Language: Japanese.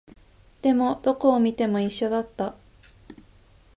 でも、どこを見ても一緒だった